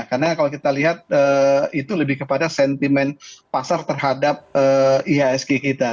karena kalau kita lihat itu lebih kepada sentimen pasar terhadap ihsg kita